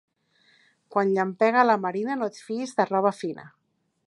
Quan llampega a la marina no et fiïs de roba fina.